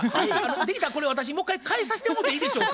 できたらこれ私も一回変えさせてもうていいでしょうか？